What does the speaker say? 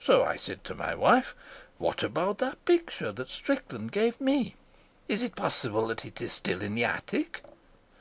So I said to my wife. 'What about that picture that Strickland gave me?' Is it possible that it is still in the attic?'